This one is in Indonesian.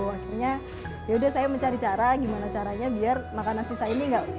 akhirnya yaudah saya mencari cara gimana caranya biar makanan sisa ini gak